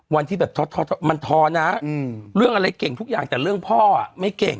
วันที่แบบท้อมันท้อนะเรื่องอะไรเก่งทุกอย่างแต่เรื่องพ่อไม่เก่ง